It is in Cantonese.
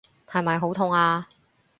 係咪好痛啊？